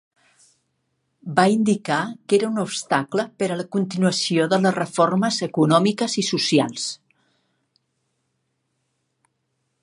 Va indicar que era un obstacle per a la continuació de les reformes econòmiques i socials.